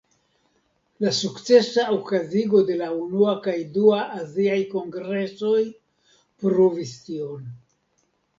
La sukcesa okazigo de la unua kaj dua aziaj kongresoj pruvis tion.